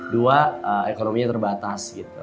dua ekonominya terbatas